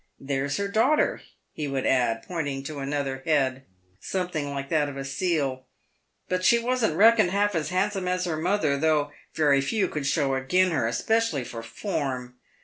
There's her daughter," he would add, pointing to another head, something like that of a seal, " but she wasn't reckoned half as handsome as her mother, though very few could show agin her, especially for form.